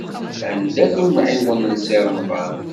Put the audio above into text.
Anda-t umɛiwen n Si Remḍan?